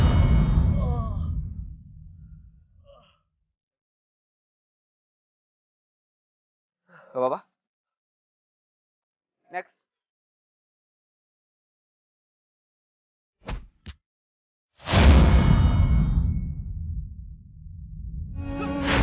ini invite yang terbaik sudah kamu pakai tersebut